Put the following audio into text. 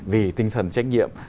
vì tinh thần trách nhiệm